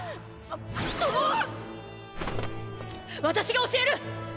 私が教える！